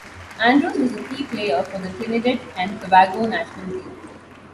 Andrews was a key player for the Trinidad and Tobago national team.